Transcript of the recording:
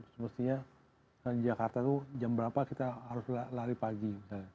semestinya di jakarta itu jam berapa kita harus lari pagi